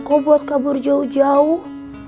kau buat kabur jauh jauh